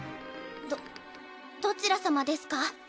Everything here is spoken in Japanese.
どどちらさまですか？